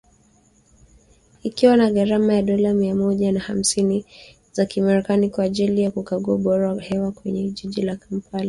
Ikiwa na gharama ya dola mia moja na hamsini za kimarekani kwa ajili ya kukagua ubora wa hewa kwenye jiji la Kampala.